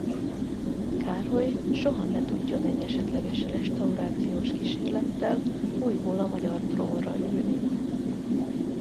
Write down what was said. Károly soha ne tudjon egy esetleges restaurációs kísérlettel újból a magyar trónra ülni.